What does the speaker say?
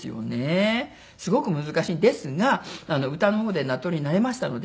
すごく難しいんですが歌の方で名取になれましたので。